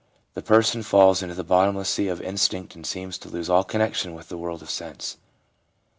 The person falls into the . bottomless sea of instinct and seems to lose all connection with the world of sense.